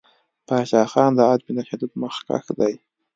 پاچاخان د عدم تشدد مخکښ دی.